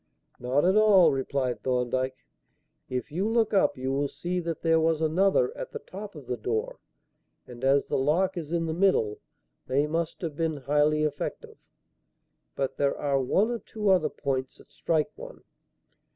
"Not at all," replied Thorndyke. "If you look up you will see that there was another at the top of the door, and, as the lock is in the middle, they must have been highly effective. But there are one or two other points that strike one.